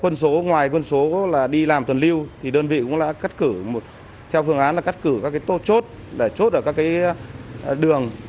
ngoài quân số đi làm tuần lưu thì đơn vị cũng đã cắt cử theo phương án là cắt cử các cái tốt chốt để chốt ở các cái đường